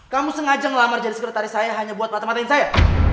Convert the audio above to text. kamu sengaja ngelamar jadi sekretaris saya hanya buat mata matain saya